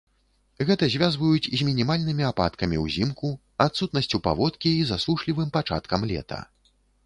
Гэта звязваюць з мінімальнымі ападкамі ўзімку, адсутнасцю паводкі і засушлівым пачаткам лета.